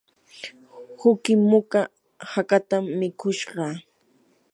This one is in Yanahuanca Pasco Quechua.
uqi muka hakatam mikushqa.